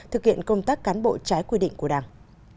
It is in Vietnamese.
thực hiện công tác cán bộ trái quy định của đảng